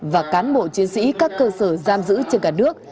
và cán bộ chiến sĩ các cơ sở giam giữ trên cả nước